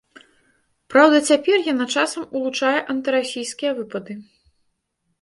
Праўда, цяпер яна часам улучае антырасійскія выпады.